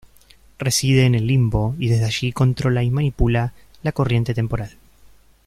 Reside en el Limbo, y desde allí controla y manipula la corriente temporal.